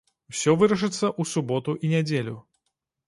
Усё вырашыцца ў суботу і нядзелю.